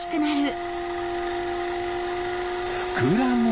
ふくらむ！